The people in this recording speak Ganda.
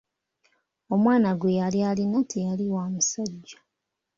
Omwana gwe yali alina teyali wa musajja.